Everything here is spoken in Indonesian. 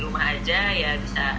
rumah aja ya bisa